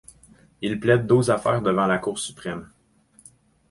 Il plaide douze affaires devant la Cour suprême.